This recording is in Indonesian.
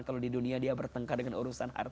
kalau di dunia dia bertengkar dengan urusan